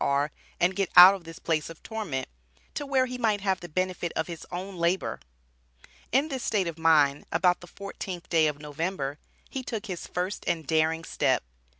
R., and get out of this "place of torment," to where he might have the benefit of his own labor. In this state of mind, about the fourteenth day of November, he took his first and daring step.